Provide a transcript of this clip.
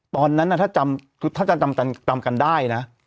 ตอนนั้นถ้าจะจำกันได้นะ